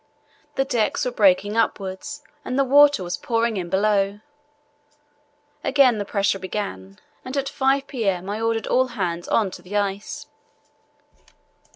The decks were breaking upwards and the water was pouring in below. Again the pressure began, and at 5 p.m. I ordered all hands on to the ice.